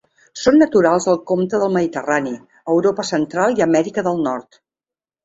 Són naturals del compte del Mediterrani, Europa central i Amèrica del Nord.